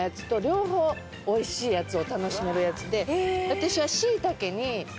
私は。